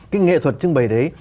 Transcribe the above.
cái nghệ thuật trưng bày đấy